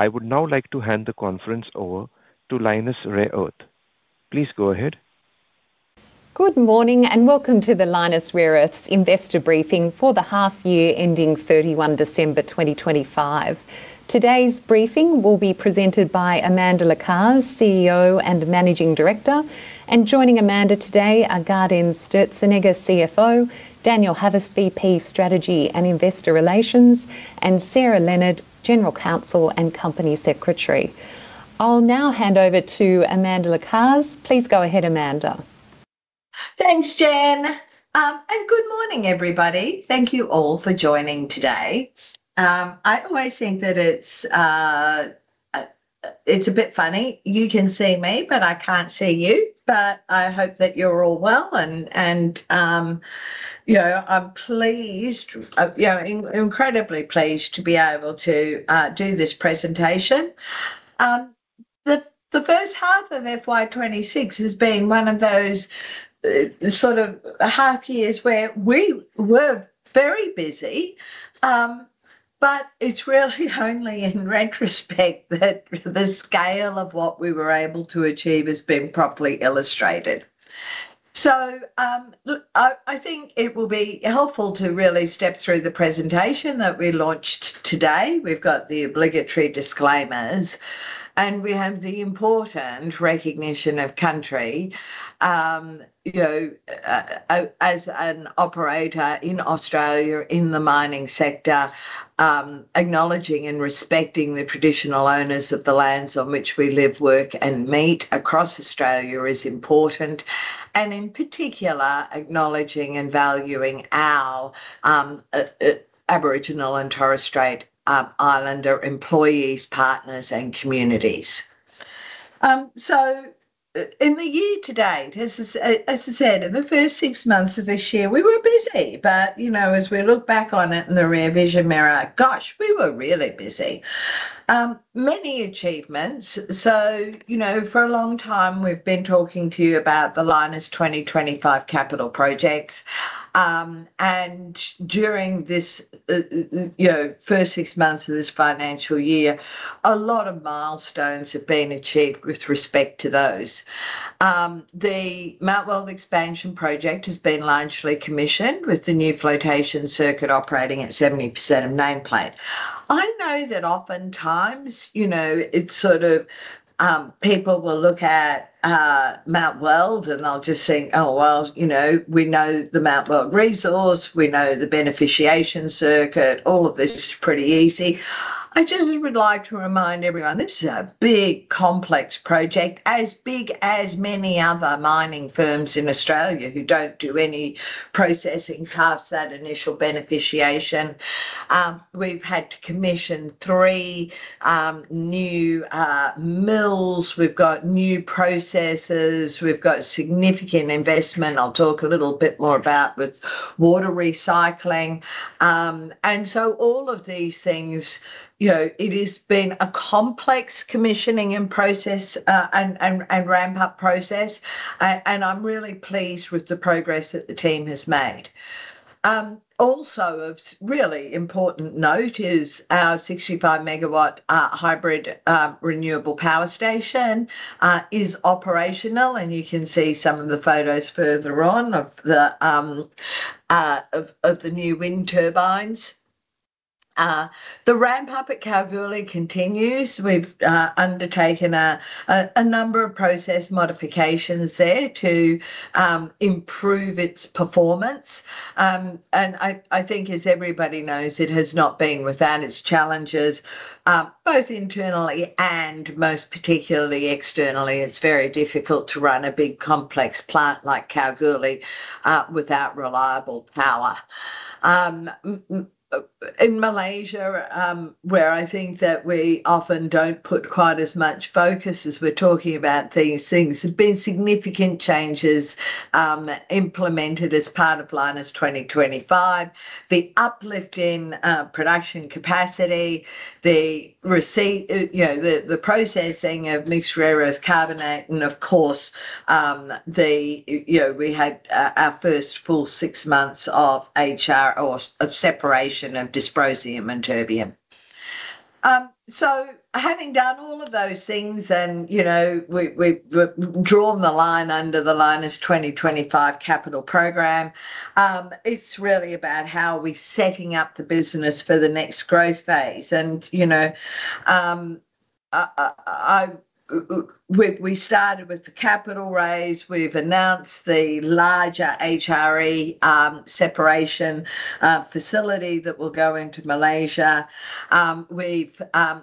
I would now like to hand the conference over to Lynas Rare Earths. Please go ahead. Good morning, and welcome to the Lynas Rare Earths investor briefing for the half year ending 31 December 2025. Today's briefing will be presented by Amanda Lacaze, CEO and Managing Director. Joining Amanda today are Gaudenz Sturzenegger, CFO; Daniel Havas, VP, Strategy and Investor Relations; and Sarah Leonard, General Counsel and Company Secretary. I'll now hand over to Amanda Lacaze. Please go ahead, Amanda. Thanks, Jen. Good morning, everybody. Thank you all for joining today. I always think that it's a bit funny. You can see me, but I can't see you, but I hope that you're all well, and, you know, I'm incredibly pleased to be able to do this presentation. The first half of FY 2026 has been one of those sort of half years where we were very busy. It's really only in retrospect that the scale of what we were able to achieve has been properly illustrated. Look, I think it will be helpful to really step through the presentation that we launched today. We've got the obligatory disclaimers, and we have the important recognition of country. you know, as an operator in Australia in the mining sector, acknowledging and respecting the traditional owners of the lands on which we live, work, and meet across Australia is important, and in particular, acknowledging and valuing our Aboriginal and Torres Strait Islander employees, partners, and communities. in the year to date, as I said, in the first six months of this year, we were busy, but, you know, as we look back on it in the rear vision mirror, gosh, we were really busy! Many achievements. you know, for a long time we've been talking to you about the Lynas 2025 capital projects. during this, you know, first six months of this financial year, a lot of milestones have been achieved with respect to those. The Mount Weld expansion project has been largely commissioned, with the new flotation circuit operating at 70% of nameplate. I know that oftentimes, you know, it's sort of, people will look at Mount Weld, and they'll just think, "Oh, well, you know, we know the Mount Weld resource. We know the beneficiation circuit. All of this is pretty easy." I just would like to remind everyone, this is a big, complex project, as big as many other mining firms in Australia who don't do any processing past that initial beneficiation. We've had to commission three new mills. We've got new processes. We've got significant investment. I'll talk a little bit more about with water recycling. All of these things, you know, it has been a complex commissioning and process and ramp-up process, and I'm really pleased with the progress that the team has made. Also of really important note is our 65 MW hybrid renewable power station is operational, and you can see some of the photos further on of the new wind turbines. The ramp-up at Kalgoorlie continues. We've undertaken a number of process modifications there to improve its performance. I think, as everybody knows, it has not been without its challenges, both internally and most particularly externally. It's very difficult to run a big, complex plant like Kalgoorlie, without reliable power. In Malaysia, where I think that we often don't put quite as much focus as we're talking about these things, there's been significant changes implemented as part of Lynas 2025. The uplift in production capacity, you know, the processing of mixed rare earth carbonate, of course, the... You know, we had our first full six months of HR or of separation of dysprosium and terbium. Having done all of those things, and, you know, we've drawn the line under the Lynas 2025 capital program, it's really about how are we setting up the business for the next growth phase. You know, we started with the capital raise. We've announced the larger HRE separation facility that will go into Malaysia. We've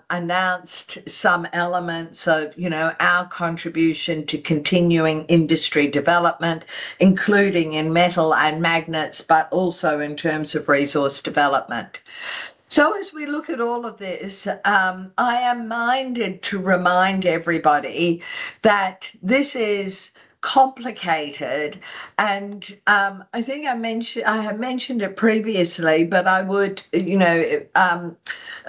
announced some elements of, you know, our contribution to continuing industry development, including in metal and magnets, but also in terms of resource development. As we look at all of this, I am minded to remind everybody that this is complicated, and I think I have mentioned it previously, but I would, you know,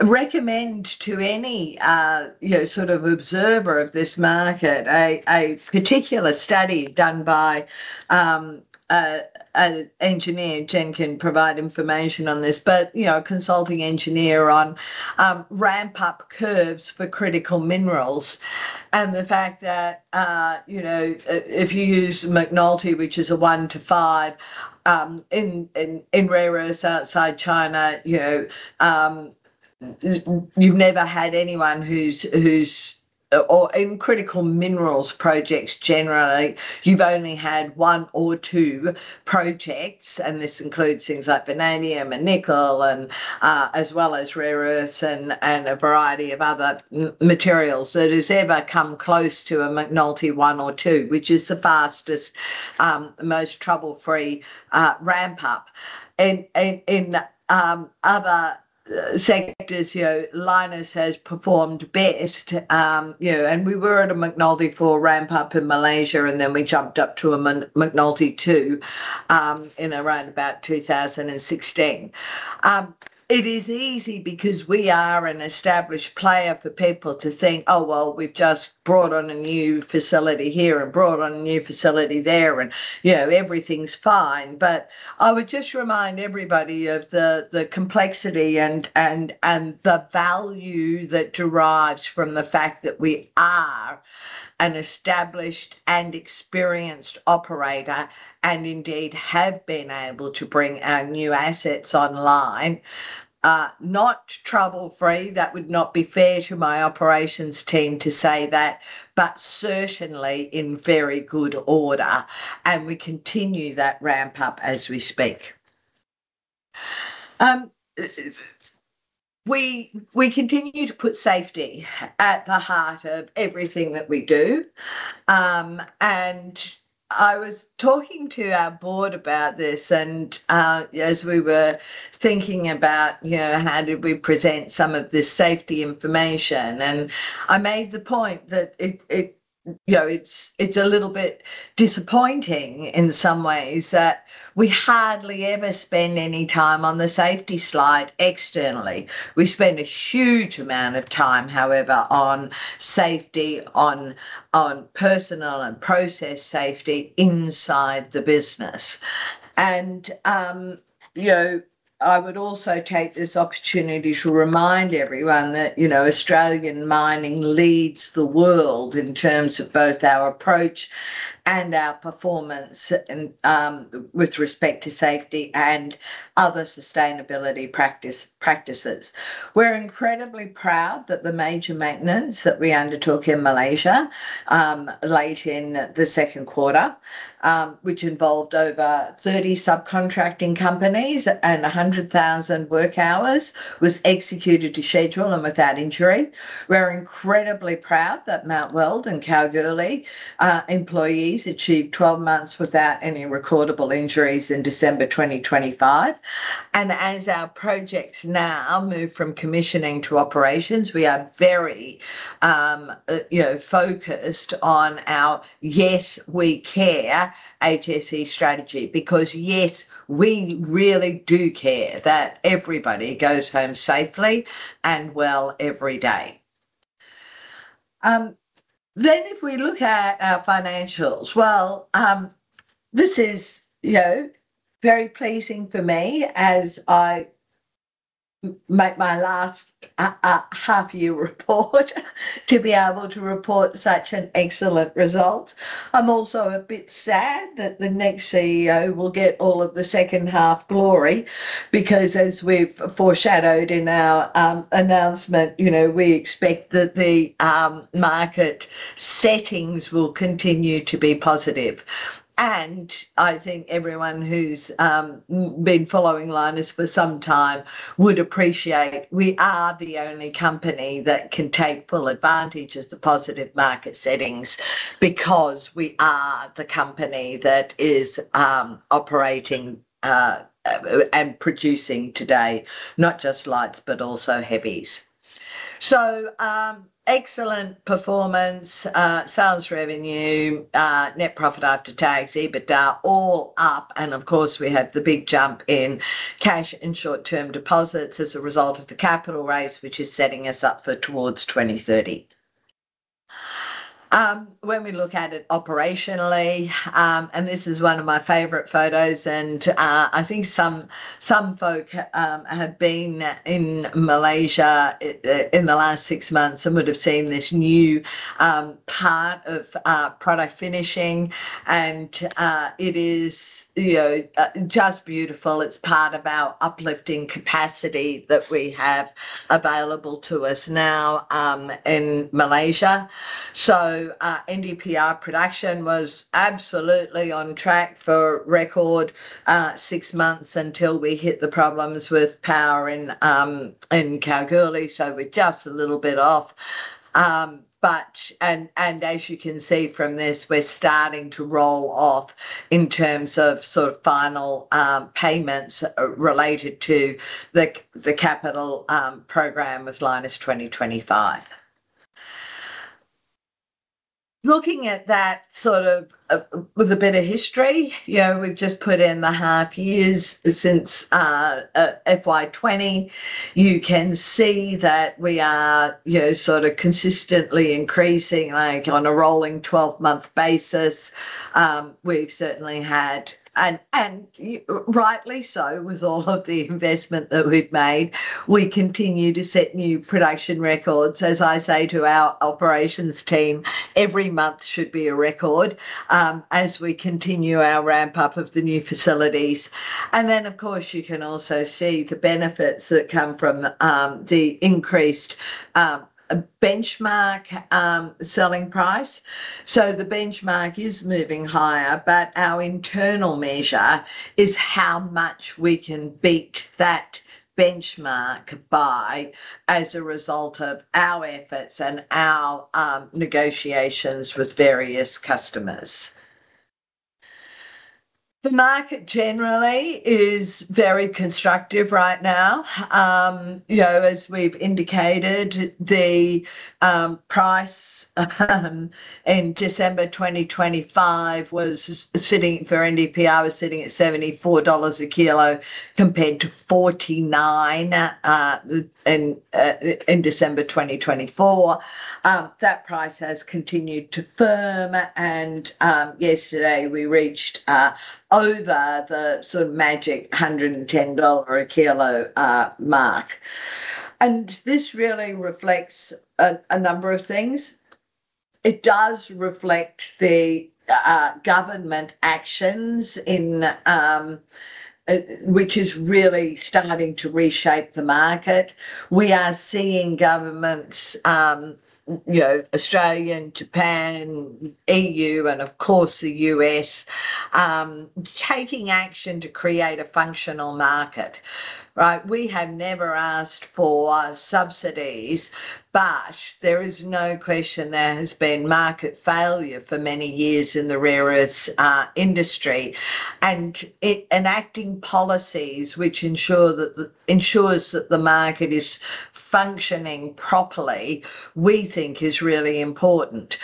recommend to any, you know, sort of observer of this market, a particular study done by a engineer. Jen can provide information on this, but, you know, a consulting engineer on ramp-up curves for critical minerals. The fact that, you know, if you use McNulty, which is a one to five in rare earths outside China, you know... you've never had anyone who's, or in critical minerals projects generally, you've only had one or two projects, and this includes things like vanadium and nickel, and as well as rare earths and a variety of other materials, that has ever come close to a McNulty 1 or 2, which is the fastest, most trouble-free ramp up. In other sectors, you know, Lynas has performed best. You know, and we were at a McNulty 4 ramp up in Malaysia, and then we jumped up to a McNulty 2 in around about 2016. It is easy because we are an established player for people to think, "Oh, well, we've just brought on a new facility here and brought on a new facility there, and, you know, everything's fine." I would just remind everybody of the complexity and the value that derives from the fact that we are an established and experienced operator, and indeed have been able to bring our new assets online. Not trouble-free, that would not be fair to my operations team to say that, but certainly in very good order, and we continue that ramp up as we speak. We continue to put safety at the heart of everything that we do. I was talking to our board about this, and as we were thinking about, you know, how do we present some of this safety information? I made the point that you know, it's a little bit disappointing in some ways that we hardly ever spend any time on the safety slide externally. We spend a huge amount of time, however, on safety, on personal and process safety inside the business. You know, I would also take this opportunity to remind everyone that, you know, Australian mining leads the world in terms of both our approach and our performance in with respect to safety and other sustainability practices. We're incredibly proud that the major maintenance that we undertook in Malaysia, late in the second quarter, which involved over 30 subcontracting companies and 100,000 work hours, was executed to schedule and without injury. We're incredibly proud that Mount Weld and Kalgoorlie employees achieved 12 months without any recordable injuries in December 2025. As our projects now move from commissioning to operations, we are very, you know, focused on our Yes! We CARE HSE strategy. Yes, we really do care that everybody goes home safely and well every day. If we look at our financials, well, this is, you know, very pleasing for me as I make my last half year report to be able to report such an excellent result. I'm also a bit sad that the next CEO will get all of the second half glory, as we've foreshadowed in our announcement, you know, we expect that the market settings will continue to be positive. I think everyone who's been following Lynas for some time would appreciate we are the only company that can take full advantage of the positive market settings, because we are the company that is operating and producing today, not just lights, but also heavies. Excellent performance. Sales revenue, net profit after tax, EBITDA, all up, and of course, we have the big jump in cash and short-term deposits as a result of the capital raise, which is setting us up for Towards 2030. When we look at it operationally, and this is one of my favorite photos, and I think some folk have been in Malaysia in the last six months and would have seen this new part of product finishing, and it is, you know, just beautiful. It's part of our uplifting capacity that we have available to us now in Malaysia. NDPR production was absolutely on track for a record six months until we hit the problems with power in Kalgoorlie, we're just a little bit off. As you can see from this, we're starting to roll off in terms of sort of final payments related to the capital program with Lynas 2025. Looking at that sort of with a bit of history, you know, we've just put in the half years since FY20. You can see that we are, you know, sort of consistently increasing, like, on a rolling 12-month basis. Rightly so, with all of the investment that we've made, we continue to set new production records. As I say to our operations team, every month should be a record, as we continue our ramp up of the new facilities. Of course, you can also see the benefits that come from the increased benchmark selling price. The benchmark is moving higher, but our internal measure is how much we can beat that benchmark by as a result of our efforts and our negotiations with various customers. The market generally is very constructive right now. You know, as we've indicated, the price in December 2025 was sitting, for NdPr was sitting at $74 a kilo, compared to $49 in December 2024. That price has continued to firm, and yesterday we reached over the sort of magic $110 a kilo mark. This really reflects a number of things. It does reflect the government actions in which is really starting to reshape the market. We are seeing governments, you know, Australia, Japan, EU, and of course, the US, taking action to create a functional market, right? We have never asked for subsidies, but there is no question there has been market failure for many years in the rare earths industry. Enacting policies which ensures that the market is functioning properly, we think is really important.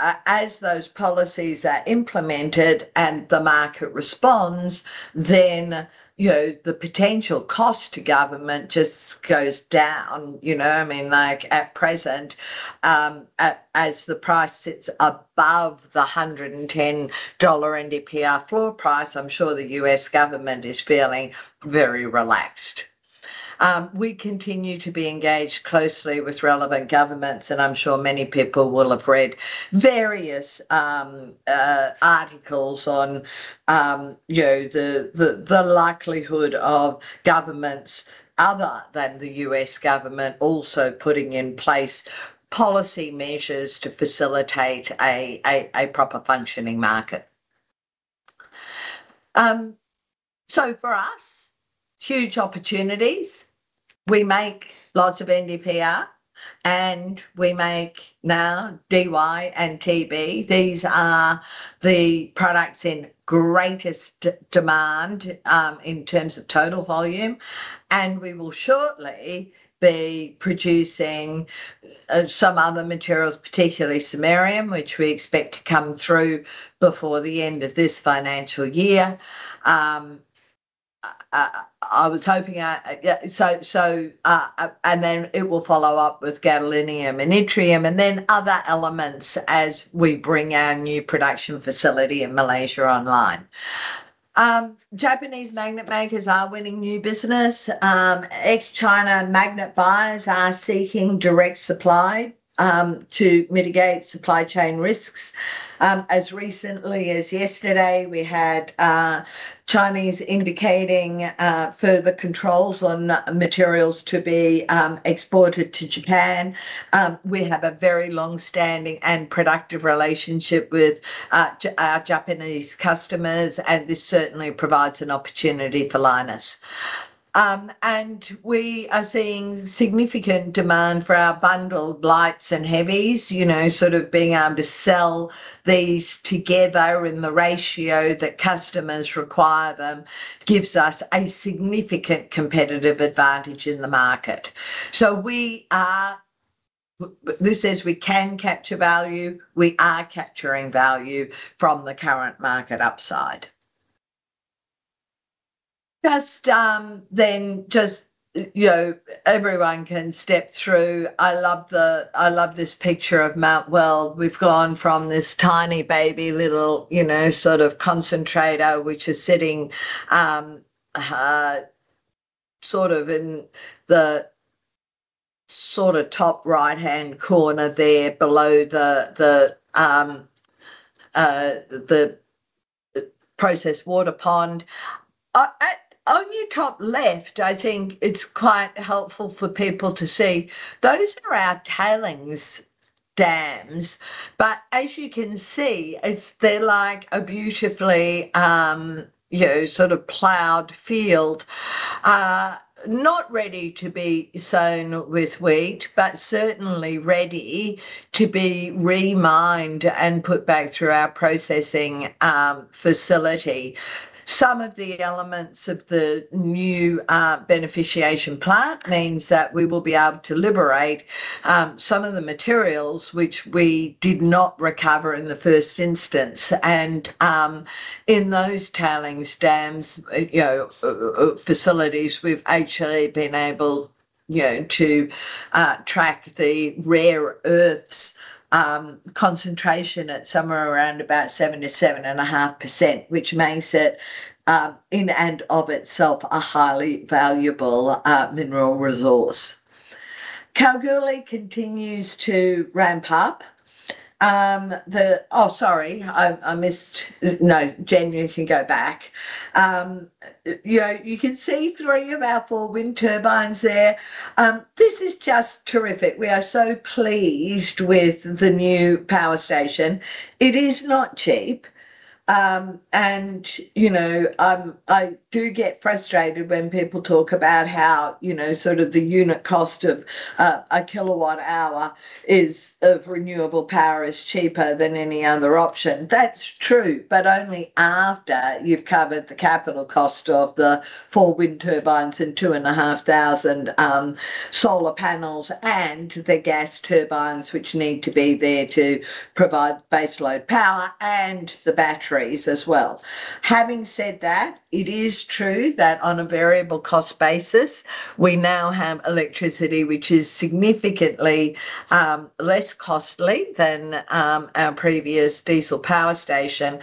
As those policies are implemented and the market responds, then, you know, the potential cost to government just goes down. You know, I mean, like, at present, as the price sits above the $110 NDPR floor price, I'm sure the U.S. government is feeling very relaxed. We continue to be engaged closely with relevant governments, and I'm sure many people will have read various articles on, you know, the likelihood of governments other than the U.S. government also putting in place policy measures to facilitate a proper functioning market. For us, huge opportunities. We make lots of NDPR, and we make now Dy and Tb. These are the products in greatest demand, in terms of total volume, and we will shortly be producing some other materials, particularly samarium, which we expect to come through before the end of this financial year. I was hoping, yeah, then it will follow up with gadolinium and yttrium, and then other elements as we bring our new production facility in Malaysia online. Japanese magnet makers are winning new business. Ex-China magnet buyers are seeking direct supply to mitigate supply chain risks. As recently as yesterday, we had Chinese indicating further controls on materials to be exported to Japan. We have a very long-standing and productive relationship with our Japanese customers, and this certainly provides an opportunity for Lynas. We are seeing significant demand for our bundled lights and heavies. You know, sort of being able to sell these together in the ratio that customers require them, gives us a significant competitive advantage in the market. This says we can capture value. We are capturing value from the current market upside. Just then just, you know, everyone can step through. I love this picture of Mount Weld. We've gone from this tiny, baby, little, you know, sort of concentrator, which is sitting, sort of in the sort of top right-hand corner there, below the processed water pond. At on your top left, I think it's quite helpful for people to see. Those are our tailings dams, but as you can see, they're like a beautifully, you know, sort of plowed field. Not ready to be sown with wheat, but certainly ready to be re-mined and put back through our processing facility. Some of the elements of the new beneficiation plant means that we will be able to liberate some of the materials which we did not recover in the first instance. In those tailings dams, you know, facilities, we've actually been able, you know, to track the rare earths concentration at somewhere around about 70% to 7.5%, which makes it in and of itself a highly valuable mineral resource. Kalgoorlie continues to ramp up. Oh, sorry, No, Jen, you can go back. You know, you can see three of our four wind turbines there. This is just terrific. We are so pleased with the new power station. It is not cheap. You know, I do get frustrated when people talk about how, you know, sort of the unit cost of a kilowatt hour of renewable power is cheaper than any other option. That's true, but only after you've covered the capital cost of the four wind turbines and 2,500 solar panels, and the gas turbines, which need to be there to provide baseload power, and the batteries as well. Having said that, it is true that on a variable cost basis, we now have electricity, which is significantly less costly than our previous diesel power station.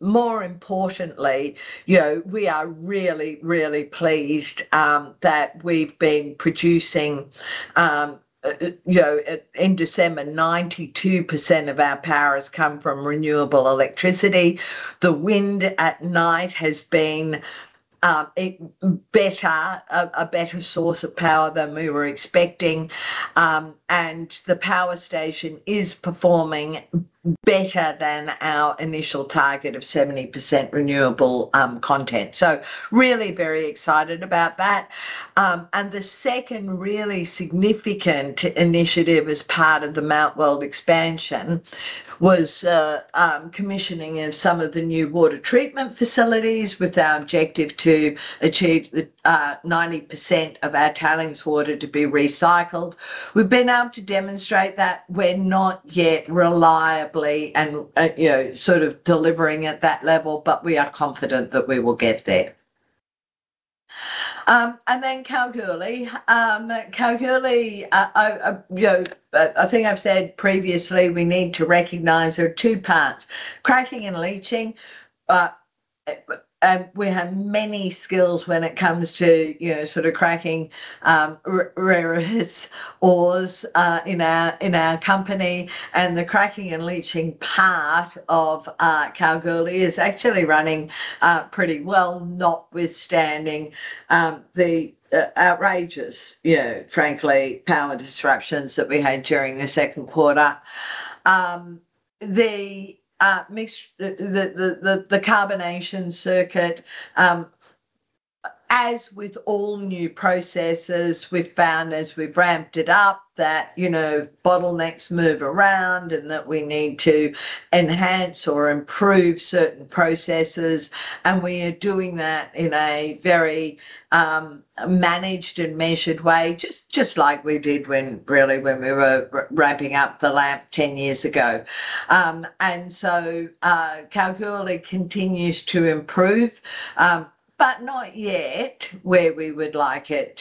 More importantly, you know, we are really, really pleased that we've been producing, you know, in December, 92% of our power has come from renewable electricity. The wind at night has been a better source of power than we were expecting. The power station is performing better than our initial target of 70% renewable content. Really very excited about that. The second really significant initiative as part of the Mount Weld expansion was commissioning of some of the new water treatment facilities, with our objective to achieve the 90% of our tailings water to be recycled. We've been able to demonstrate that. We're not yet reliably and, you know, sort of delivering at that level, but we are confident that we will get there. Then Kalgoorlie. Kalgoorlie, I, you know, I think I've said previously, we need to recognize there are two parts, cracking and leaching. We have many skills when it comes to, you know, sort of cracking rare earths ores in our company. The cracking and leaching part of Kalgoorlie is actually running pretty well, notwithstanding the carbonation circuit. As with all new processes, we've found as we've ramped it up that, you know, bottlenecks move around, and that we need to enhance or improve certain processes. We are doing that in a very managed and measured way, just like we did when we were ramping up the LAMP 10 years ago. Kalgoorlie continues to improve, but not yet quite yet where we would like it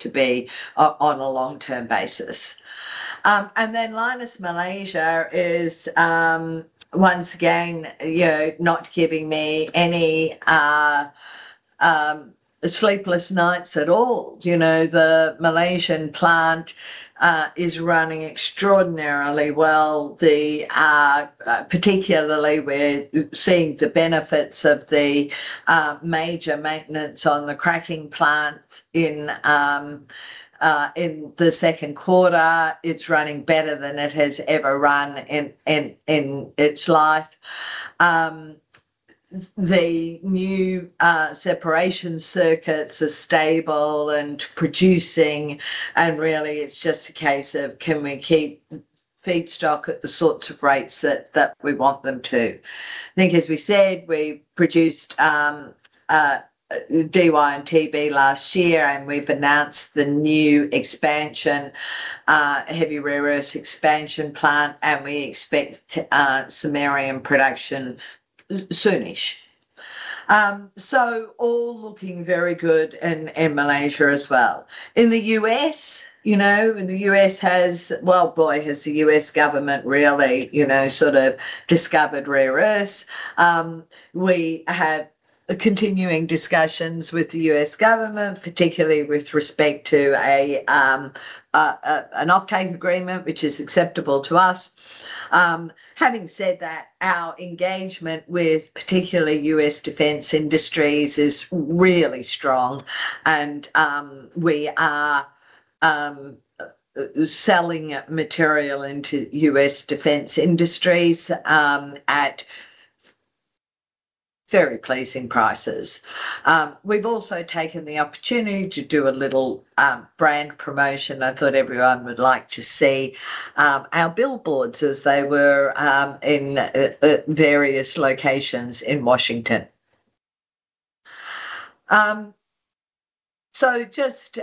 to be on a long-term basis. Lynas Malaysia is, once again, you know, not giving me any sleepless nights at all. You know, the Malaysian plant is running extraordinarily well. Particularly, we're seeing the benefits of the major maintenance on the cracking plant in the second quarter. It's running better than it has ever run in its life. The new separation circuits are stable and producing, and really it's just a case of can we keep feedstock at the sorts of rates that we want them to? I think as we said, we produced Dy and Tb last year, and we've announced the new expansion, heavy rare earth expansion plant, and we expect samarium production soon-ish. All looking very good in Malaysia as well. In the U.S., you know, well, boy, has the U.S. government really, you know, sort of discovered rare earths. We have continuing discussions with the U.S. government, particularly with respect to an offtake agreement, which is acceptable to us. Having said that, our engagement with particularly U.S. defense industries is really strong and we are selling material into U.S. defense industries at very pleasing prices. We've also taken the opportunity to do a little brand promotion. I thought everyone would like to see our billboards as they were in various locations in Washington. Just,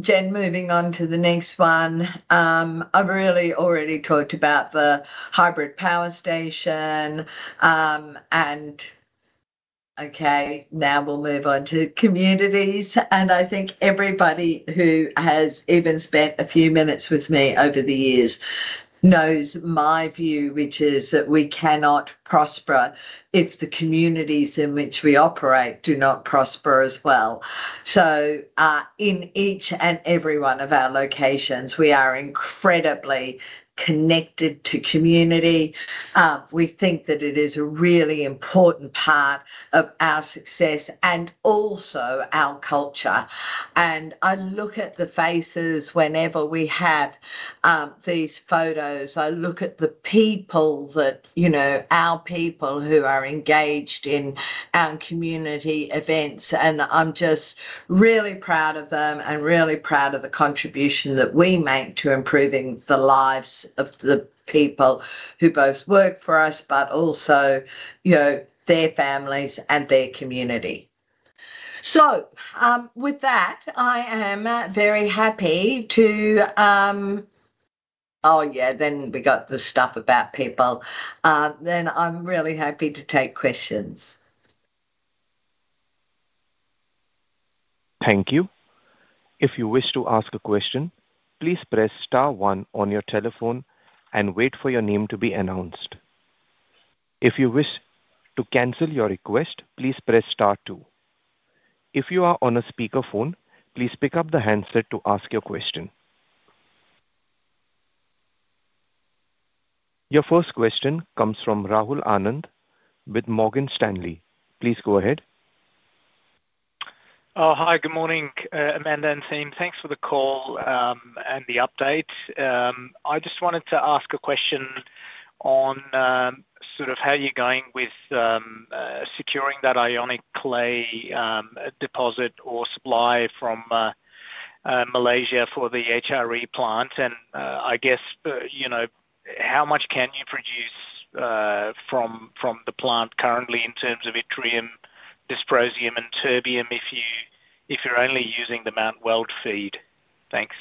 Jen, moving on to the next one. I've really already talked about the hybrid power station. Okay, now we'll move on to communities, and I think everybody who has even spent a few minutes with me over the years knows my view, which is that we cannot prosper if the communities in which we operate do not prosper as well. In each and every one of our locations, we are incredibly connected to community. We think that it is a really important part of our success and also our culture. I look at the faces whenever we have... these photos, I look at the people that, you know, our people who are engaged in our community events, and I'm just really proud of them and really proud of the contribution that we make to improving the lives of the people who both work for us, but also, you know, their families and their community. With that, I am very happy to... Oh, yeah, we got the stuff about people. I'm really happy to take questions. Thank you. If you wish to ask a question, please press star one on your telephone and wait for your name to be announced. If you wish to cancel your request, please press star two. If you are on a speakerphone, please pick up the handset to ask your question. Your first question comes from Rahul Anand with Morgan Stanley. Please go ahead. Oh, hi, good morning, Amanda and team. Thanks for the call, and the update. I just wanted to ask a question on sort of how you're going with securing that ionic clay deposit or supply from Malaysia for the HRE plant. I guess, you know, how much can you produce from the plant currently in terms of yttrium, dysprosium, and terbium if you, if you're only using the Mount Weld feed? Thanks.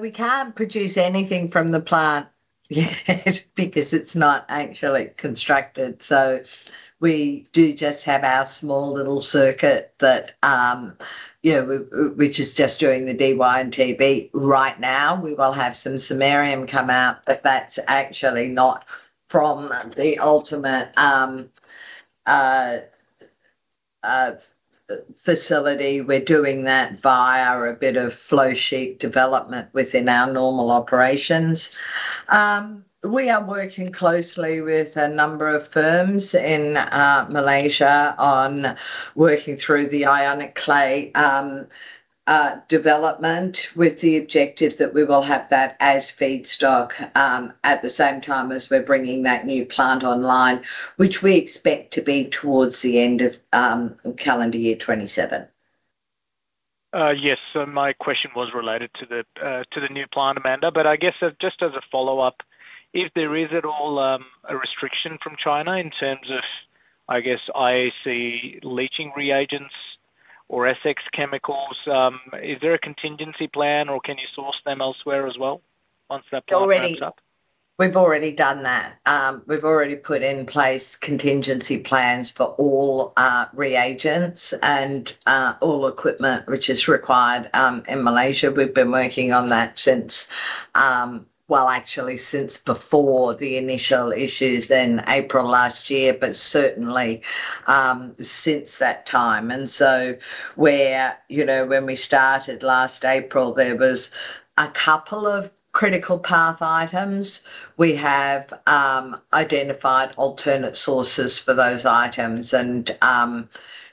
We can't produce anything from the plant yet because it's not actually constructed. We do just have our small little circuit that, you know, which is just doing the Dy and Tb right now. We will have some samarium come out, but that's actually not from the ultimate facility. We're doing that via a bit of flow sheet development within our normal operations. We are working closely with a number of firms in Malaysia on working through the ionic clay development, with the objective that we will have that as feedstock at the same time as we're bringing that new plant online, which we expect to be towards the end of calendar year 2027. Yes, my question was related to the new plant, Amanda. I guess just as a follow-up, if there is at all, a restriction from China in terms of, I guess, IAC leaching reagents or SX chemicals, is there a contingency plan, or can you source them elsewhere as well once that plant ramps up? We've already done that. We've already put in place contingency plans for all our reagents and all equipment which is required in Malaysia. We've been working on that since, well, actually, since before the initial issues in April last year, but certainly since that time. Where, you know, when we started last April, there was a couple of critical path items. We have identified alternate sources for those items, and,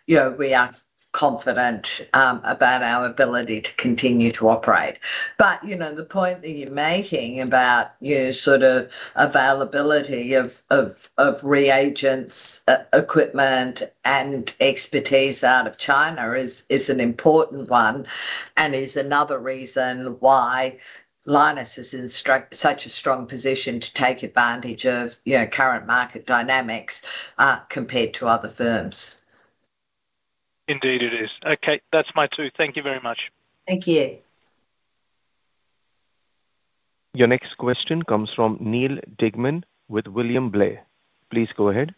you know, we are confident about our ability to continue to operate. You know, the point that you're making about your sort of availability of reagents, equipment, and expertise out of China is an important one and is another reason why Lynas is in such a strong position to take advantage of, you know, current market dynamics compared to other firms. Indeed, it is. Okay. That's my two. Thank you very much. Thank you. Your next question comes from Neal Dingmann with William Blair. Please go ahead.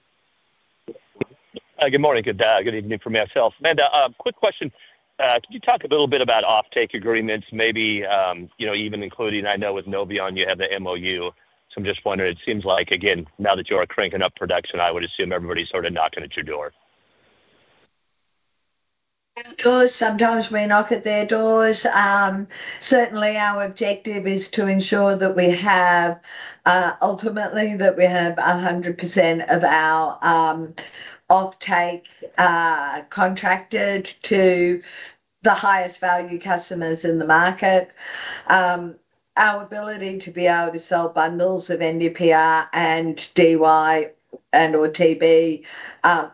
Good morning. Good day. Good evening from myself. Amanda, quick question. Could you talk a little bit about offtake agreements, maybe, you know, even including, I know with Noveon, you have the MoU? I'm just wondering, it seems like, again, now that you are cranking up production, I would assume everybody's sort of knocking at your door. Of course, sometimes we knock at their doors. Certainly, our objective is to ensure that we have, ultimately, that we have 100% of our offtake contracted to the highest value customers in the market. Our ability to be able to sell bundles of NDPR and Dy and/or Tb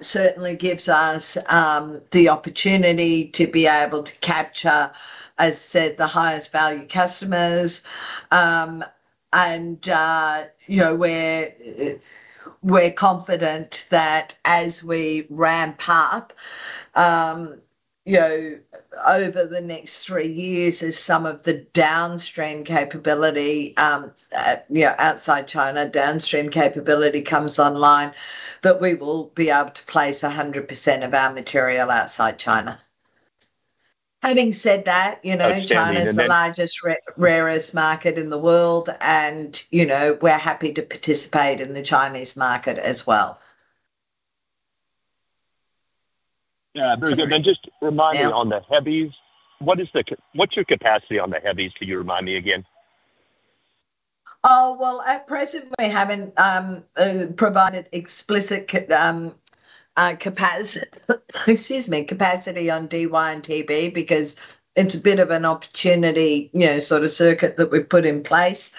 certainly gives us the opportunity to be able to capture, as I said, the highest value customers. You know, we're confident that as we ramp up, you know, over the next three years as some of the downstream capability, you know, outside China, downstream capability comes online, that we will be able to place 100% of our material outside China. Having said that, you know. Okay. China is the largest, re- rarest market in the world, and, you know, we're happy to participate in the Chinese market as well. Yeah, very good. Yeah. Just remind me on the heavies, what's your capacity on the heavies? Can you remind me again? Well, at present, we haven't provided explicit capacity on Dy and Tb because it's a bit of an opportunity, you know, sort of circuit that we've put in place.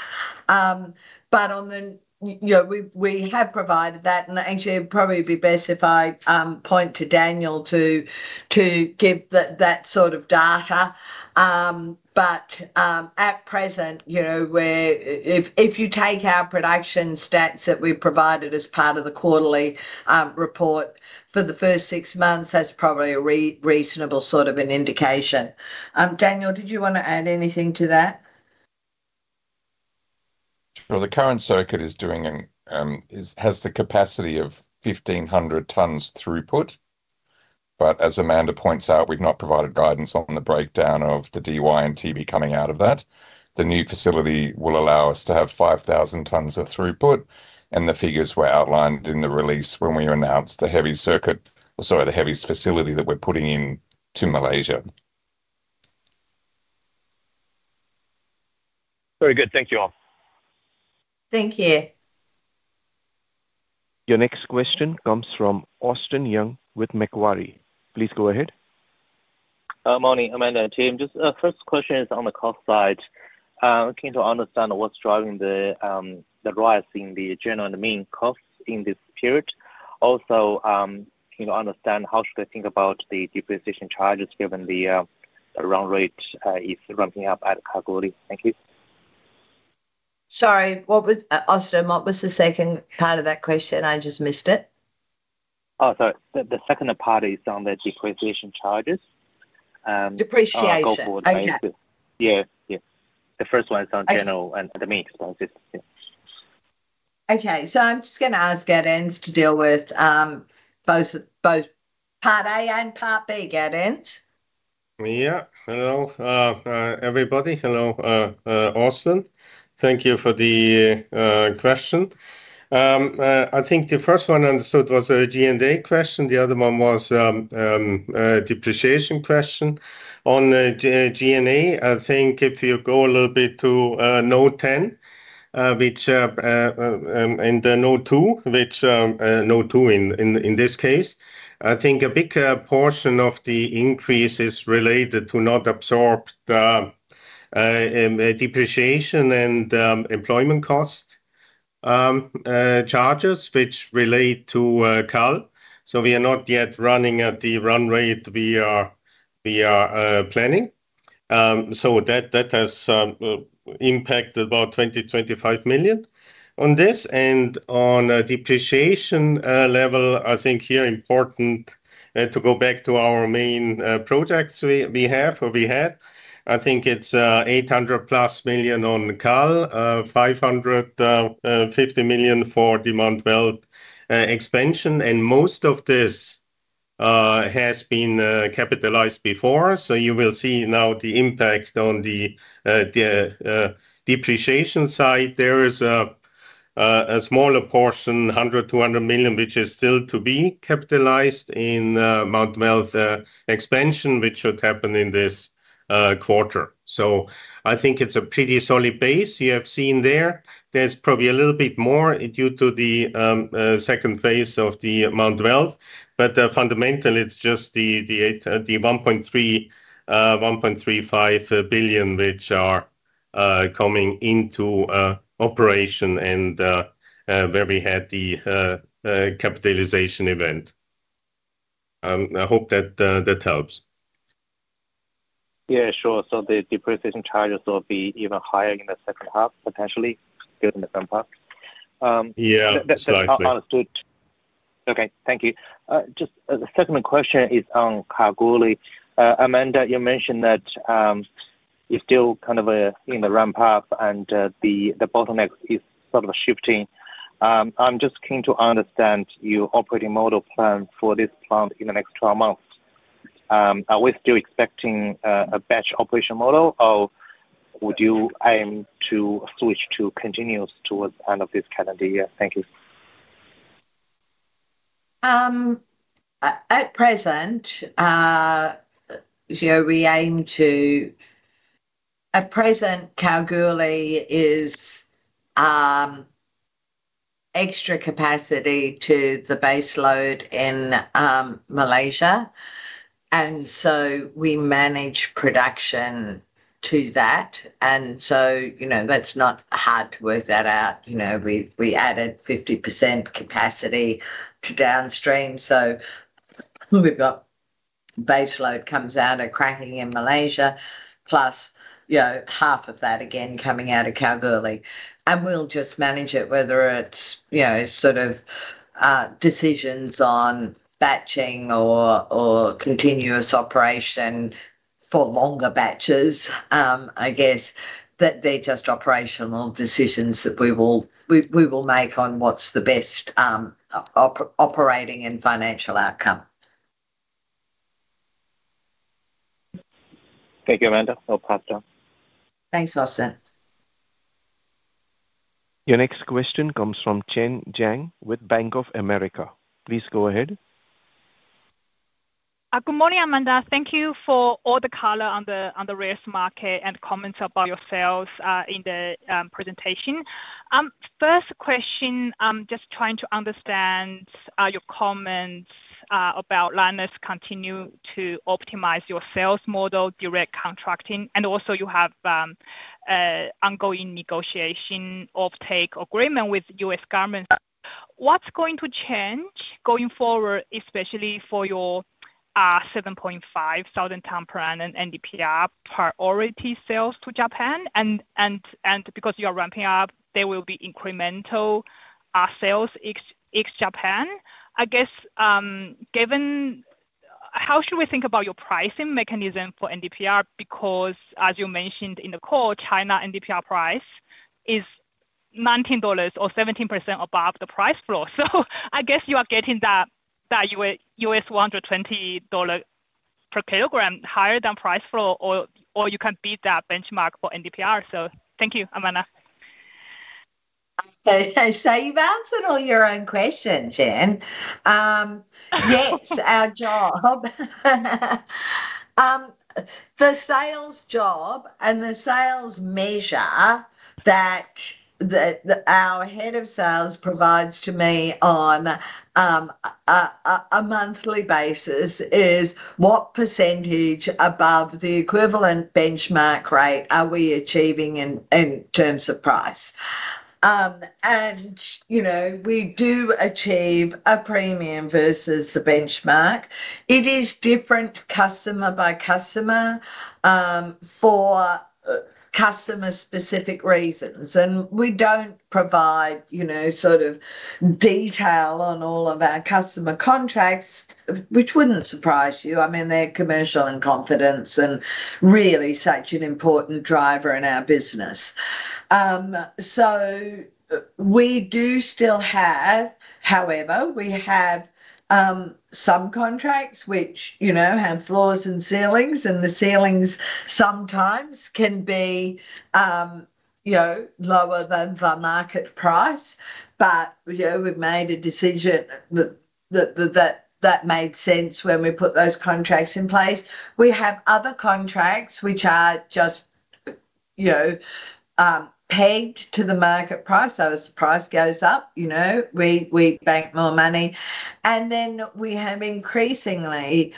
On the, you know, we've, we have provided that, and actually it'd probably be best if I point to Daniel to give that sort of data. At present, you know, if you take our production stats that we've provided as part of the quarterly report for the first six months, that's probably a reasonable sort of an indication. Daniel, did you want to add anything to that? Well, the current circuit has the capacity of 1,500 tons throughput. As Amanda points out, we've not provided guidance on the breakdown of the Dy and Tb coming out of that. The new facility will allow us to have 5,000 tons of throughput, and the figures were outlined in the release when we announced the heavy circuit, sorry, the heaviest facility that we're putting in to Malaysia. Very good. Thank you all. Thank you. Your next question comes from Austin Yun with Macquarie. Please go ahead. Morning, Amanda and team. Just first question is on the cost side. Looking to understand what's driving the the rise in the general and the main costs in this period. Also, you know, understand how should I think about the depreciation charges given the run rate is ramping up at Kalgoorlie? Thank you. Sorry, what was, Austin, what was the second part of that question? I just missed it. sorry. The second part is on the depreciation charges. Depreciation. On Kalgoorlie. Okay. Yeah. I- The main points, yeah. Okay, I'm just gonna ask Gaudenz to deal with both part A and part B. Gaudenz? Yeah. Hello, everybody. Hello, Austin. Thank you for the question. I think the first one I understood was a G&A question. The other one was a depreciation question. On the G&A, I think if you go a little bit to Note 10, which and Note 2 in this case, I think a big portion of the increase is related to not absorbed depreciation and employment cost charges which relate to KALG. We are not yet running at the run rate we are planning. That has impacted about 20 million-25 million on this. On a depreciation level, I think here important to go back to our main projects we have or we had. I think it's 800+ million on KALG, 550 million for the Mount Weld expansion, and most of this has been capitalized before. You will see now the impact on the depreciation side. There is a smaller portion, 100 million-200 million, which is still to be capitalized in Mount Weld expansion, which should happen in this quarter. I think it's a pretty solid base you have seen there. There's probably a little bit more due to the second phase of the Mount Weld. Fundamentally, it's just the eight, the 1.3, 1.35 billion which are coming into operation and where we had the capitalization event. I hope that helps. Yeah, sure. The depreciation charges will be even higher in the second half, potentially, given the front part? Yeah, exactly. Understood. Okay, thank you. Just the second question is on Kalgoorlie. Amanda, you mentioned that, you're still kind of, in the ramp path and, the bottleneck is sort of shifting. I'm just keen to understand your operating model plan for this plant in the next 12 months. Are we still expecting a batch operation model, or would you aim to switch to continuous towards the end of this calendar year? Thank you. At present, you know, Kalgoorlie is extra capacity to the base load in Malaysia, and so we manage production to that. You know, that's not hard to work that out. You know, we added 50% capacity to downstream, so we've got base load comes out of cracking in Malaysia, plus, you know, half of that again coming out of Kalgoorlie. We'll just manage it, whether it's, you know, sort of decisions on batching or continuous operation for longer batches. I guess that they're just operational decisions that we will make on what's the best operating and financial outcome. Thank you, Amanda. I'll pass down. Thanks, Austin. Your next question comes from Chen Jiang with Bank of America. Please go ahead. Good morning, Amanda. Thank you for all the color on the rare earths market and comments about yourselves in the presentation. First question, just trying to understand your comments about Lynas continue to optimize your sales model, direct contracting, and also you have ongoing negotiation offtake agreement with U.S. government. What's going to change going forward, especially for your 7.5 southern Tampuran and NDPR priority sales to Japan? Because you are ramping up, there will be incremental sales ex-Japan. I guess, given how should we think about your pricing mechanism for NDPR? Because as you mentioned in the call, China NDPR price is $19 or 17% above the price floor. I guess you are getting that US $120 per kilogram higher than price floor, or you can beat that benchmark for NDPR. Thank you, Amanda. You've answered all your own questions, Jen. Yes, our job. The sales job and the sales measure that our head of sales provides to me on a monthly basis is what % above the equivalent benchmark rate are we achieving in terms of price? You know, we do achieve a premium versus the benchmark. It is different customer by customer for customer-specific reasons, and we don't provide, you know, sort of detail on all of our customer contracts, which wouldn't surprise you. I mean, they're commercial in confidence and really such an important driver in our business. We do still have... However, we have some contracts which, you know, have floors and ceilings, and the ceilings sometimes can be, you know, lower than the market price. You know, we've made a decision that made sense when we put those contracts in place. We have other contracts which are just, you know, pegged to the market price. As the price goes up, you know, we make more money. We have increasingly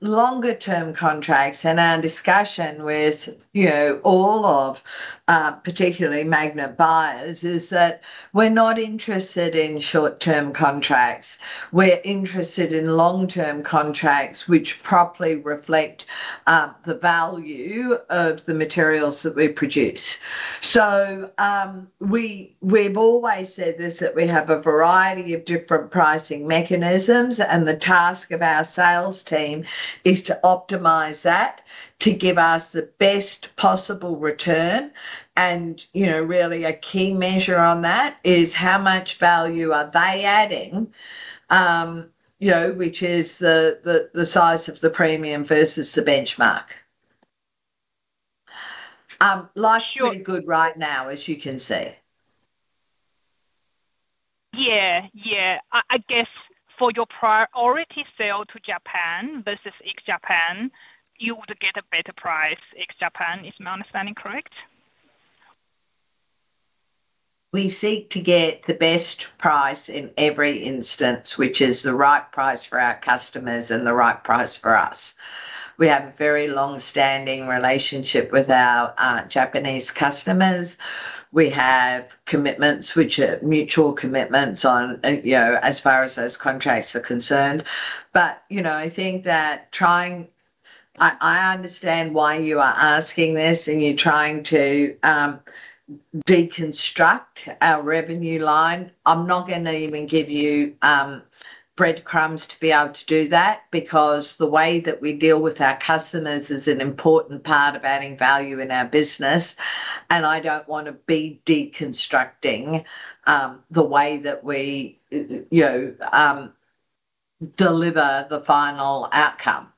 longer-term contracts. Our discussion with, you know, all of particularly magnet buyers, is that we're not interested in short-term contracts. We're interested in long-term contracts which properly reflect the value of the materials that we produce. We've always said this, that we have a variety of different pricing mechanisms, and the task of our sales team is to optimize that to give us the best possible return. You know, really a key measure on that is how much value are they adding, you know, which is the size of the premium versus the benchmark. Life's pretty good right now, as you can see. Yeah. Yeah. I guess for your priority sale to Japan versus ex-Japan, you would get a better price, ex-Japan. Is my understanding correct? We seek to get the best price in every instance, which is the right price for our customers and the right price for us. We have a very long-standing relationship with our Japanese customers. We have commitments which are mutual commitments on, you know, as far as those contracts are concerned. You know, I think that I understand why you are asking this, and you're trying to deconstruct our revenue line. I'm not going to even give you breadcrumbs to be able to do that, because the way that we deal with our customers is an important part of adding value in our business, and I don't want to be deconstructing the way that we, you know, deliver the final outcome.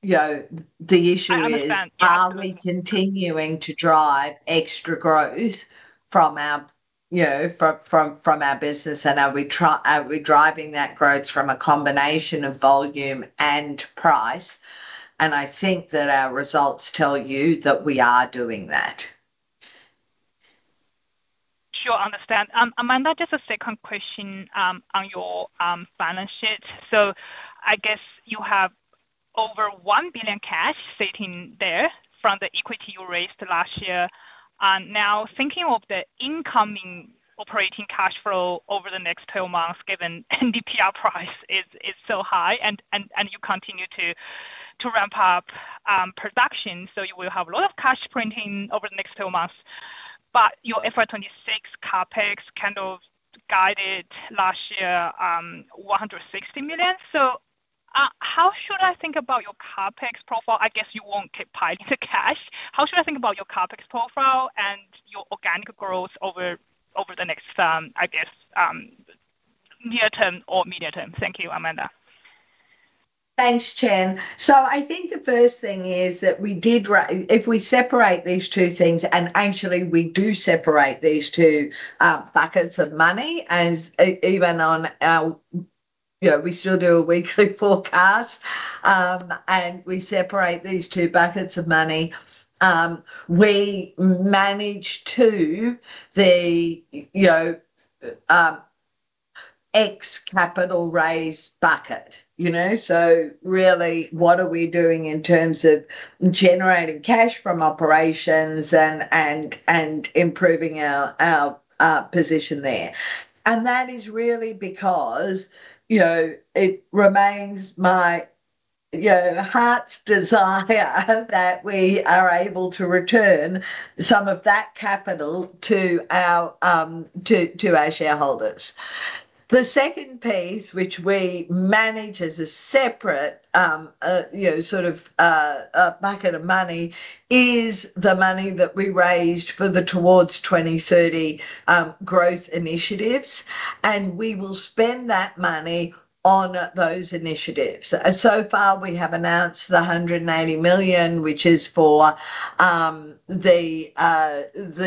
You know, the issue is. I understand. Are we continuing to drive extra growth from our, you know, from our business, and are we driving that growth from a combination of volume and price? I think that our results tell you that we are doing that. Sure, understand. Amanda, just a second question, on your balance sheet. I guess you have over 1 billion cash sitting there from the equity you raised last year. Now, thinking of the incoming operating cash flow over the next two months, given NDPR price is so high and you continue to ramp up production, so you will have a lot of cash printing over the next two months. Your FY 2026 CapEx kind of guided last year, 160 million. How should I think about your CapEx profile? I guess you won't keep piling the cash. How should I think about your CapEx profile and your organic growth over the next, I guess, near term or medium term? Thank you, Amanda. Thanks, Chen. I think the first thing is that we did if we separate these two things, and actually we do separate these two buckets of money, as even on our, you know, we still do a weekly forecast. We separate these two buckets of money. We manage to the, you know, ex capital raise bucket, you know? Really, what are we doing in terms of generating cash from operations and improving our position there? That is really because, you know, it remains my, you know, heart's desire that we are able to return some of that capital to our shareholders. The second piece, which we manage as a separate, you know, a bucket of money, is the money that we raised for the Towards 2030 growth initiatives. We will spend that money on those initiatives. Far, we have announced 180 million, which is for the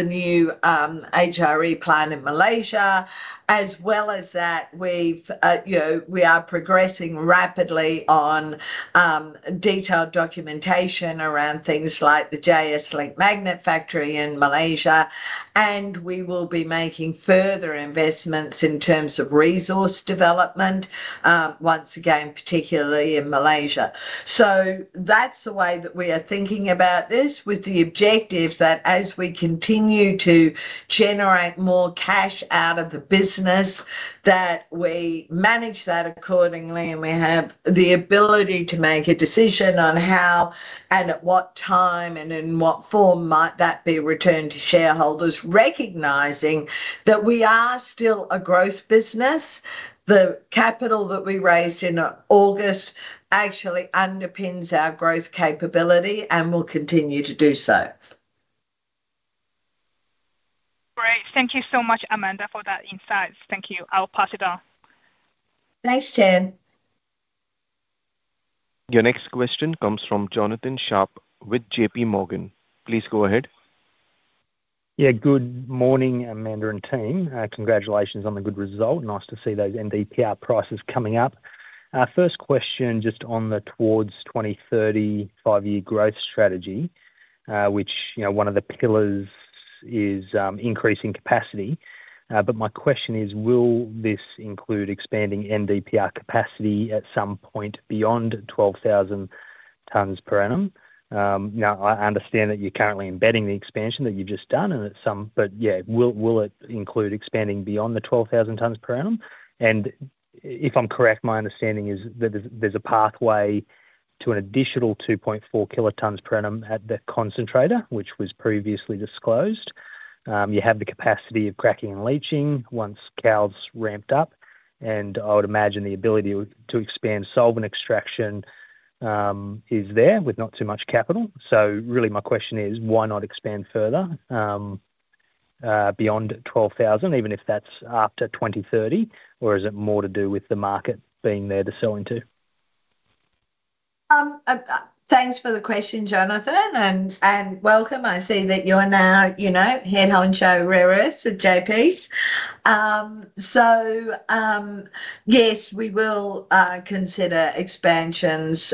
new HRE plan in Malaysia. As well as that, we've, you know, we are progressing rapidly on detailed documentation around things like the JS Link magnet factory in Malaysia. We will be making further investments in terms of resource development, once again, particularly in Malaysia. That's the way that we are thinking about this, with the objective that as we continue to generate more cash out of the business, that we manage that accordingly, and we have the ability to make a decision on how and at what time and in what form might that be returned to shareholders. Recognizing that we are still a growth business, the capital that we raised in August actually underpins our growth capability and will continue to do so. Great. Thank you so much, Amanda, for that insight. Thank you. I'll pass it on. Thanks, Chen. Your next question comes from Jonathan Sharp with JPMorgan. Please go ahead. Good morning, Amanda and team. Congratulations on the good result. Nice to see those NDPR prices coming up. Our first question, just on the Towards 2030 five-year growth strategy, which, you know, one of the pillars is, increasing capacity. My question is, will this include expanding NDPR capacity at some point beyond 12,000 tonnes per annum? Now, I understand that you're currently embedding the expansion that you've just done and that but yeah, will it include expanding beyond the 12,000 tonnes per annum? If I'm correct, my understanding is that there's a pathway to an additional 2.4 kilotonnes per annum at the concentrator, which was previously disclosed. You have the capacity of cracking and leaching once KALG's ramped up, I would imagine the ability to expand solvent extraction is there with not too much capital. Really, my question is, why not expand further beyond 12,000, even if that's after 2030? Is it more to do with the market being there to sell into? Thanks for the question, Jonathan, and welcome. I see that you're now, you know, head honcho rare earths at JP's. Yes, we will consider expansions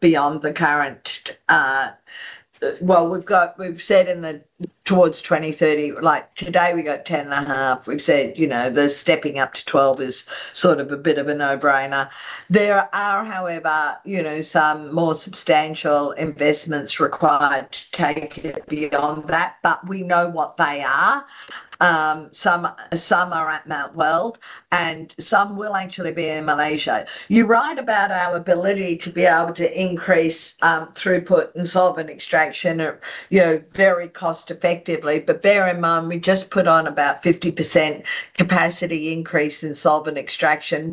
beyond the current. Well, we've said in the Towards 2030, like today, we got 10.5. We've said, you know, the stepping up to 12 is sort of a bit of a no-brainer. There are, however, you know, some more substantial investments required to take it beyond that, but we know what they are. Some are at Mount Weld, and some will actually be in Malaysia. You're right about our ability to be able to increase throughput and solvent extraction at, you know, very cost effectively. Bear in mind, we just put on about 50% capacity increase in solvent extraction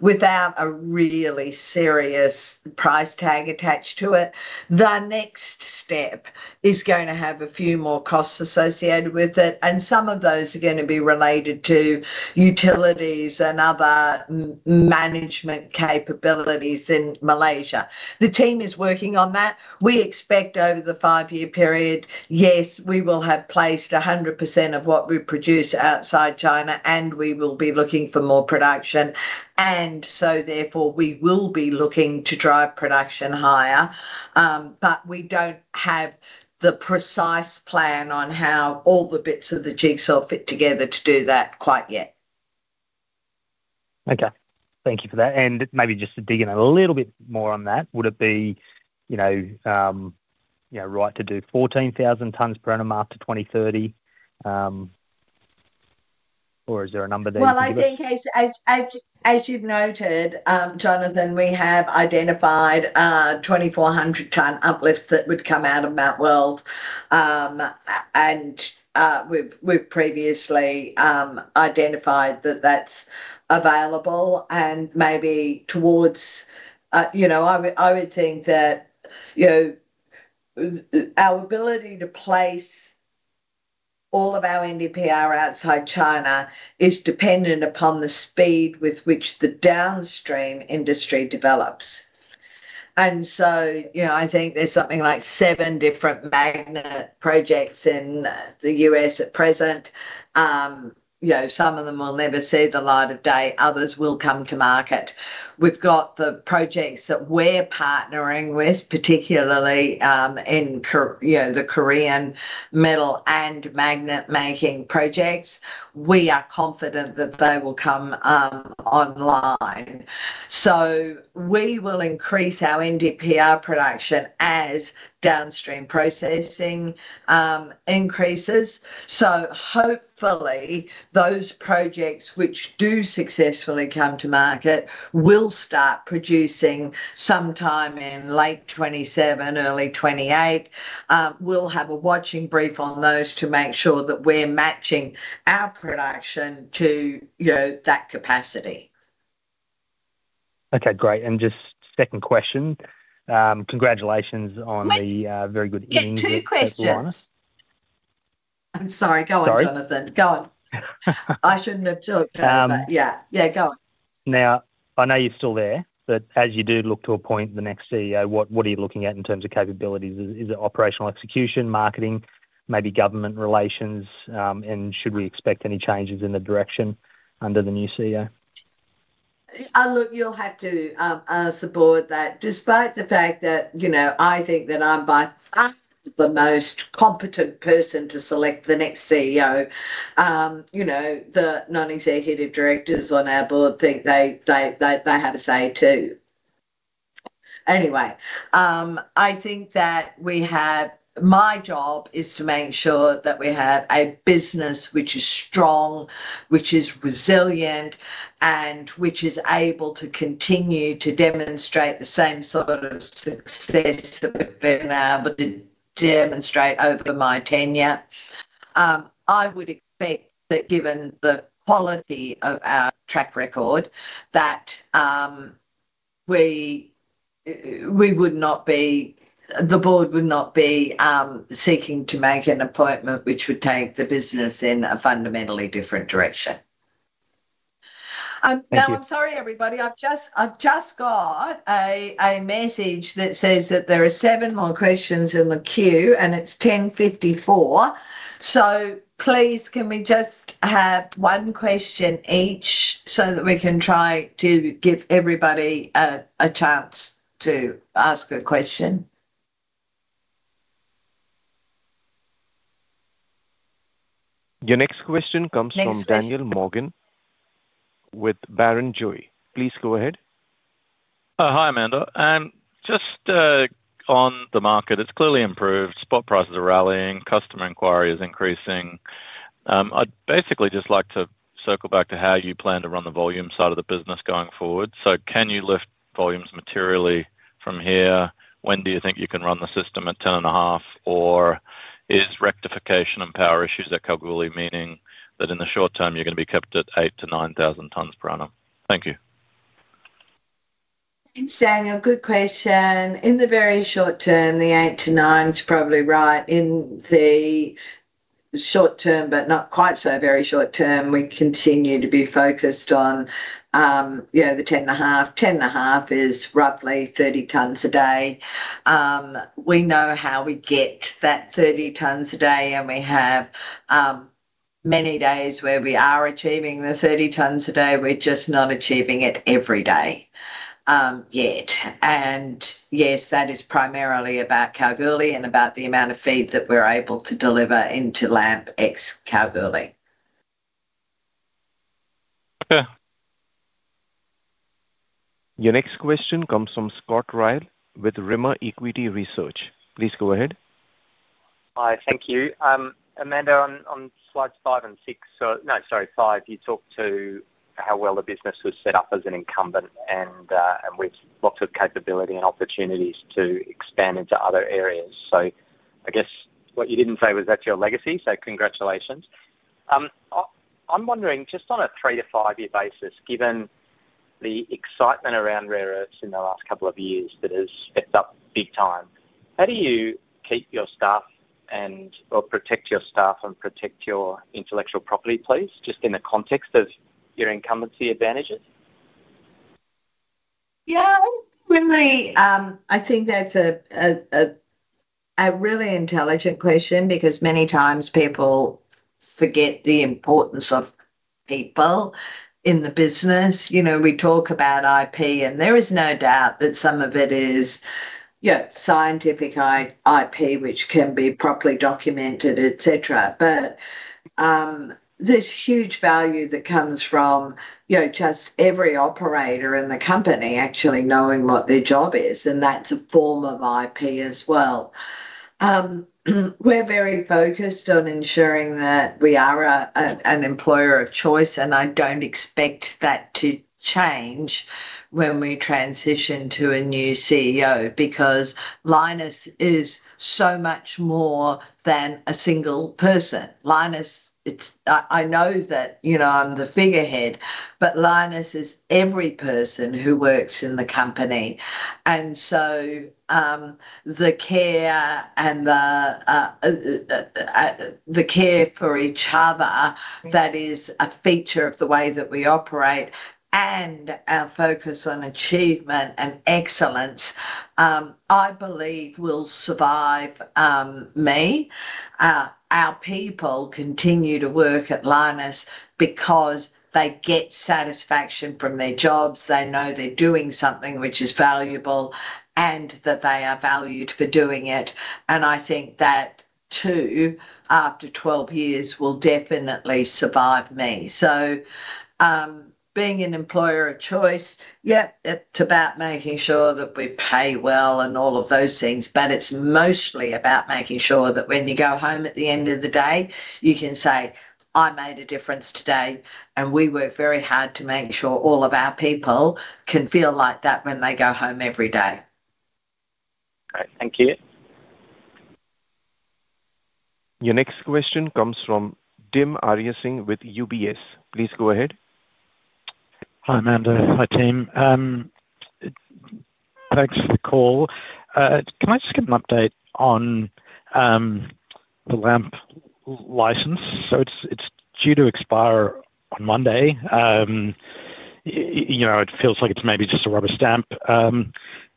without a really serious price tag attached to it. The next step is going to have a few more costs associated with it, and some of those are gonna be related to utilities and other management capabilities in Malaysia. The team is working on that. We expect over the five-year period, yes, we will have placed 100% of what we produce outside China, and we will be looking for more production. Therefore, we will be looking to drive production higher. We don't have the precise plan on how all the bits of the jigsaw fit together to do that quite yet. Okay, thank you for that. Maybe just to dig in a little bit more on that, would it be, you know, you know, right to do 14,000 tonnes per annum after 2030? Or is there a number there to give it? Well, I think as you've noted, Jonathan, we have identified a 2,400 tonne uplift that would come out of Mount Weld. We've previously identified that that's available and maybe towards, you know, I would think that, you know, our ability to place all of our NdPr outside China is dependent upon the speed with which the downstream industry develops. you know, I think there's something like seven different magnet projects in the U.S. at present. you know, some of them will never see the light of day, others will come to market. We've got the projects that we're partnering with, particularly, in, you know, the Korean metal and magnet-making projects. We are confident that they will come online. We will increase our NdPr production as downstream processing increases. Hopefully, those projects which do successfully come to market will start producing sometime in late 2027, early 2028. We'll have a watching brief on those to make sure that we're matching our production to, you know, that capacity. Okay, great. Just second question. Congratulations on the. Wait- Very good earnings. Yeah, two questions. at Lynas. I'm sorry. Go on, Jonathan. Sorry. Go on. I shouldn't have talked about it. Um. Yeah. Yeah, go on. I know you're still there, but as you do look to appoint the next CEO, what are you looking at in terms of capabilities? Is it operational execution, marketing, maybe government relations? Should we expect any changes in the direction under the new CEO? Look, you'll have to ask the board that. Despite the fact that, you know, I think that I'm by far the most competent person to select the next CEO, you know, the non-executive directors on our board think they have a say, too. I think that my job is to make sure that we have a business which is strong, which is resilient, and which is able to continue to demonstrate the same sort of success that we've been able to demonstrate over my tenure. I would expect that given the quality of our track record, that the board would not be seeking to make an appointment which would take the business in a fundamentally different direction. Thank you. I'm sorry, everybody. I've just got a message that says that there are seven more questions in the queue, and it's 10:54. Please, can we just have one question each, so that we can try to give everybody a chance to ask a question? Your next question comes from. Next question. Daniel Morgan with Barrenjoey. Please go ahead. Hi, Amanda. just on the market, it's clearly improved. Spot prices are rallying, customer inquiry is increasing. I'd basically just like to circle back to how you plan to run the volume side of the business going forward. Can you lift volumes materially from here? When do you think you can run the system at 10.5, or is rectification and power issues at Kalgoorlie meaning that in the short term you're going to be capped at 8,000-9,000 tonnes per annum? Thank you. Thanks, Daniel. Good question. In the very short term, the eight to nine is probably right. In the short term, but not quite so very short term, we continue to be focused on, you know, the 10.5. 10.5 is roughly 30 tonnes a day. We know how we get that 30 tonnes a day, and we have many days where we are achieving the 30 tonnes a day. We're just not achieving it every day, yet. Yes, that is primarily about Kalgoorlie, and about the amount of feed that we're able to deliver into LAMP ex-Kalgoorlie. Okay. Your next question comes from Scott Ryall with Rimor Equity Research. Please go ahead. Hi, thank you. Amanda, on slides five and six, No, sorry, five, you talked to how well the business was set up as an incumbent and with lots of capability and opportunities to expand into other areas. I guess what you didn't say was that's your legacy, so congratulations. I'm wondering, just on a three- to five-year basis, given the excitement around rare earths in the last couple of years, that has picked up big time, how do you keep your staff and, or protect your staff and protect your intellectual property, please, just in the context of your incumbency advantages? Really, I think that's a, a really intelligent question because many times people forget the importance of people in the business. You know, we talk about IP, and there is no doubt that some of it is, you know, scientific IP, which can be properly documented, et cetera. There's huge value that comes from, you know, just every operator in the company actually knowing what their job is, and that's a form of IP as well. We're very focused on ensuring that we are a, an employer of choice, and I don't expect that to change when we transition to a new CEO, because Lynas is so much more than a single person. Lynas, it's... I know that, you know, I'm the figurehead, but Lynas is every person who works in the company. The care and the care for each other, that is a feature of the way that we operate. Our focus on achievement and excellence, I believe will survive me. Our people continue to work at Lynas because they get satisfaction from their jobs, they know they're doing something which is valuable, and that they are valued for doing it. I think that too, after 12 years, will definitely survive me. Being an employer of choice, yeah, it's about making sure that we pay well and all of those things, but it's mostly about making sure that when you go home at the end of the day, you can say, "I made a difference today." We work very hard to make sure all of our people can feel like that when they go home every day. Great. Thank you. Your next question comes from Dim Ariyasinghe with UBS. Please go ahead. Hi, Amanda. Hi, team. Thanks for the call. Can I just get an update on the LAMP license? It's due to expire on Monday. You know, it feels like it's maybe just a rubber stamp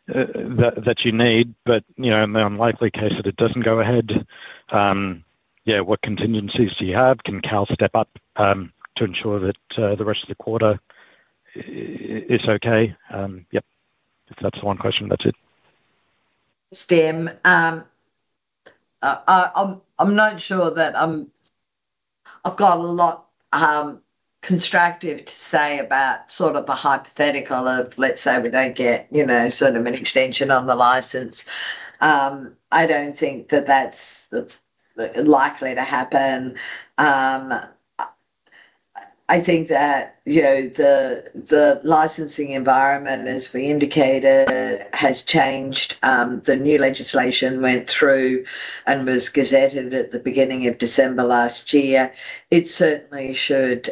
that you need, but, you know, in the unlikely case that it doesn't go ahead, what contingencies do you have? Can Cal step up to ensure that the rest of the quarter is okay? Yep, if that's one question, that's it. Dim, I've got a lot constructive to say about sort of the hypothetical of, let's say, we don't get, you know, sort of an extension on the license. I don't think that that's likely to happen. I think that, you know, the licensing environment, as we indicated, has changed. The new legislation went through and was gazetted at the beginning of December last year. It certainly should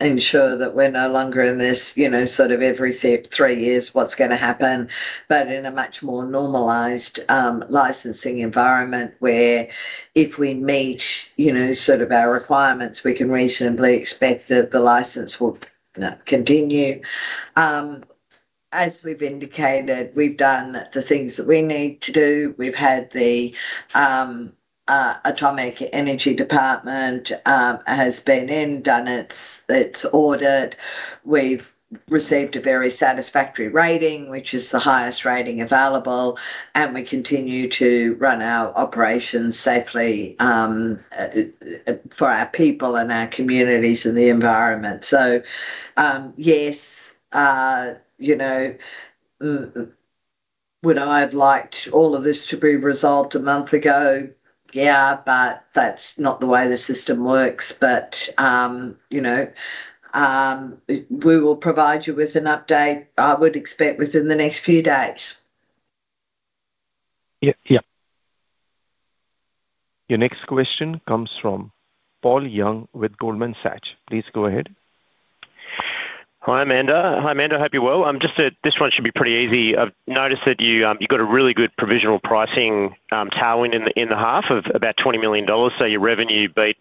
ensure that we're no longer in this, you know, sort of every three years, what's gonna happen, but in a much more normalized licensing environment, where if we meet, you know, sort of our requirements, we can reasonably expect that the license will continue. As we've indicated, we've done the things that we need to do. We've had the Atomic Energy Department has been in, done its audit. We've received a very satisfactory rating, which is the highest rating available, and we continue to run our operations safely for our people and our communities and the environment. You know, would I have liked all of this to be resolved a month ago? Yeah, that's not the way the system works. You know, we will provide you with an update, I would expect, within the next few days. Yeah, yeah. Your next question comes from Paul Young with Goldman Sachs. Please go ahead. Hi, Amanda. Hi, Amanda, hope you're well. Just that this one should be pretty easy. I've noticed that you got a really good provisional pricing tailwind in the half of about $20 million. Your revenue beat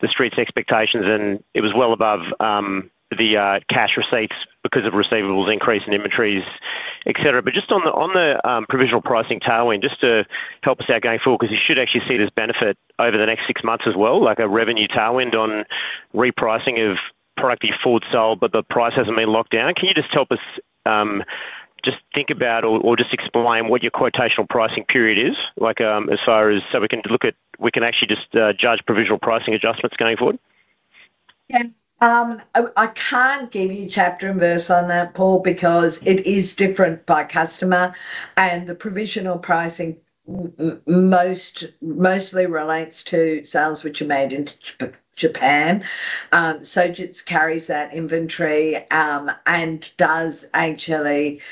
the Street's expectations, and it was well above the cash receipts because of receivables increase in inventories, etc. Just on the provisional pricing tailwind, just to help us out going forward, 'cause you should actually see this benefit over the next six months as well, like a revenue tailwind on repricing of product you've forward sold, but the price hasn't been locked down. Can you just help us just think about or just explain what your quotational pricing period is? Like, as far as... We can actually just judge provisional pricing adjustments going forward. I can't give you chapter and verse on that, Paul, because it is different by customer, and the provisional pricing mostly relates to sales which are made into Japan. Sojitz carries that inventory and does actually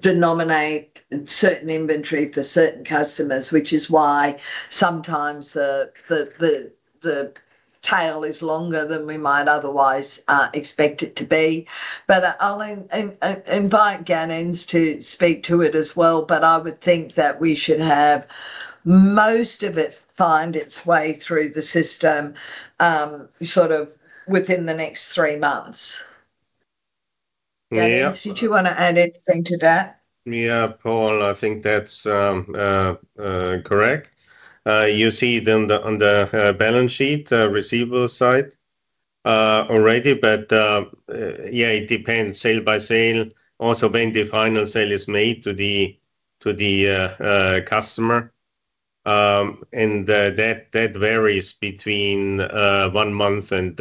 denominate certain inventory for certain customers, which is why sometimes the tail is longer than we might otherwise expect it to be. I'll invite Gannon to speak to it as well, but I would think that we should have most of it find its way through the system, sort of within the next three months. Yeah. Gannon, did you want to add anything to that? Yeah, Paul, I think that's correct. You see it on the balance sheet, the receivable side already. Yeah, it depends sale by sale. Also, when the final sale is made to the customer, that varies between one month and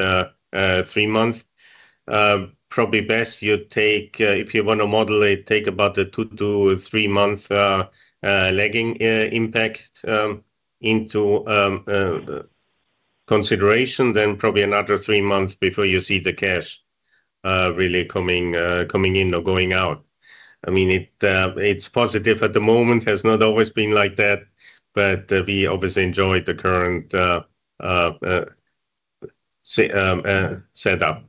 three months. Probably best you take, if you want to model it, take about a two to three months lagging impact into consideration, then probably another three months before you see the cash really coming in or going out. I mean, it's positive at the moment, has not always been like that, but we obviously enjoyed the current setup. Okay, I hope that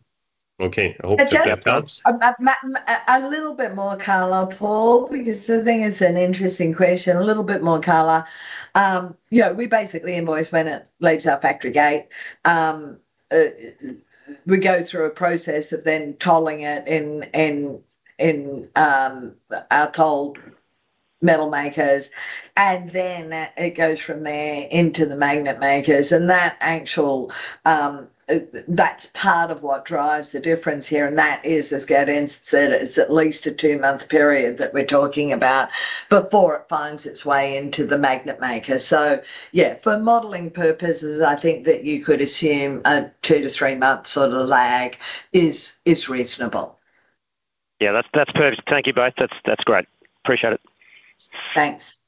helps. A little bit more color, Paul, because I think it's an interesting question. A little bit more color. Yeah, we basically invoice when it leaves our factory gate. We go through a process of then tolling it in our toll metal makers, and then it goes from there into the magnet makers. That actual, that's part of what drives the difference here, and that is, as Gaudenz Sturzenegger said, it's at least a two-month period that we're talking about before it finds its way into the magnet maker. Yeah, for modeling purposes, I think that you could assume a two to three month sort of lag is reasonable. Yeah, that's perfect. Thank you both. That's, that's great. Appreciate it. Thanks.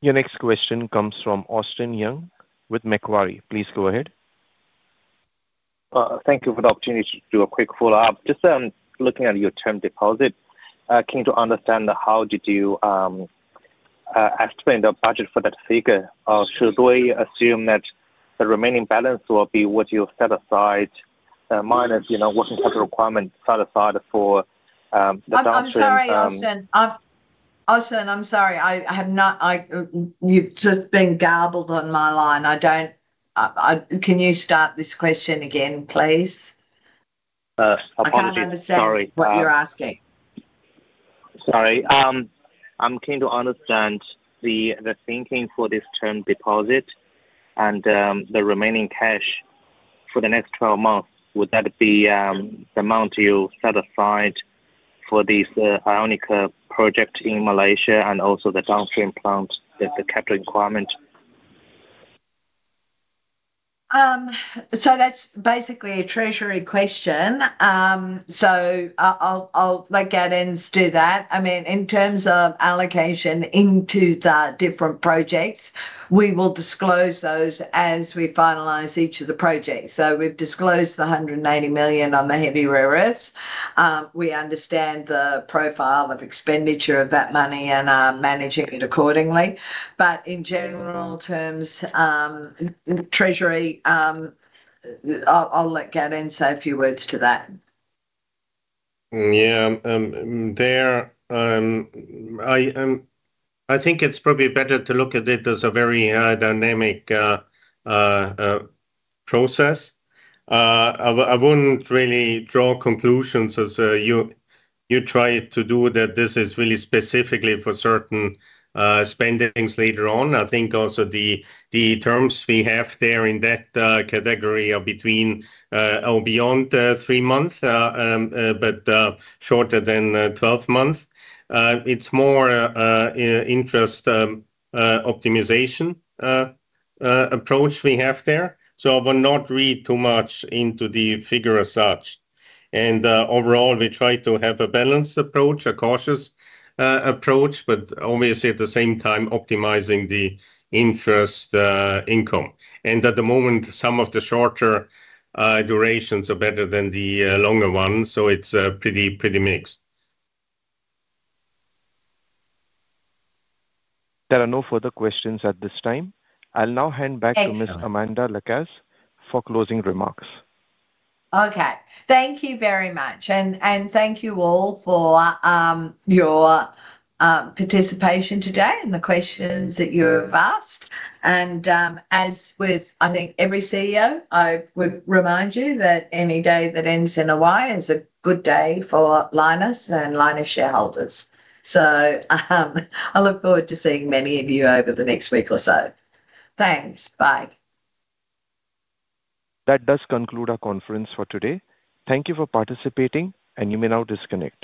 Your next question comes from Austin Yun with Macquarie. Please go ahead. Thank you for the opportunity to do a quick follow-up. Just looking at your term deposit, I came to understand how did you explain the budget for that figure? Should we assume that the remaining balance will be what you've set aside, minus, you know, working capital requirements set aside for the downstream- I'm sorry, Austin. Austin, I'm sorry, you've just been garbled on my line. I don't. I, can you start this question again, please? apologies. Sorry. I can't understand what you're asking. Sorry. I'm keen to understand the thinking for this term deposit and the remaining cash for the next 12 months. Would that be the amount you set aside for this ionic clay project in Malaysia and also the downstream plant, the capital requirement? That's basically a treasury question. I'll let Gaudenz Sturzenegger do that. I mean, in terms of allocation into the different projects, we will disclose those as we finalize each of the projects. We've disclosed the 180 million on the heavy rare earths. We understand the profile of expenditure of that money and are managing it accordingly. In general terms, treasury, I'll let Gaudenz Sturzenegger say a few words to that. Yeah. There, I think it's probably better to look at it as a very dynamic process. I wouldn't really draw conclusions as you try to do that this is really specifically for certain spendings later on. I think also the terms we have there in that category are between or beyond three months, but shorter than 12 months. It's more interest optimization approach we have there. I would not read too much into the figure as such. Overall, we try to have a balanced approach, a cautious approach, but obviously, at the same time, optimizing the interest income. At the moment, some of the shorter durations are better than the longer ones, so it's pretty mixed. There are no further questions at this time. Excellent. I'll now hand back to Ms. Amanda Lacaze for closing remarks. Okay. Thank you very much. Thank you all for your participation today and the questions that you have asked. As with, I think, every CEO, I would remind you that any day that ends in a Y is a good day for Lynas and Lynas shareholders. I look forward to seeing many of you over the next week or so. Thanks. Bye. That does conclude our conference for today. Thank you for participating, and you may now disconnect.